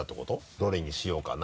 どれにしようかな？